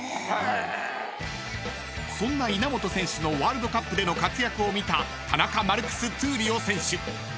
［そんな稲本選手のワールドカップでの活躍を見た田中マルクス闘莉王選手］